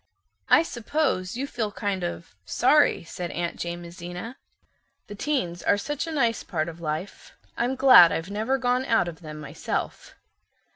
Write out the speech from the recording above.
"I suppose you feel kind of, sorry" said Aunt Jamesina. "The teens are such a nice part of life. I'm glad I've never gone out of them myself."